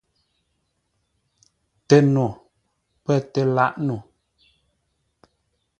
TƏNO pə̂ tə lâʼ no.